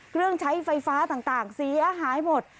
เครื่องใช้ไฟฟ้าต่างเสียหายหมด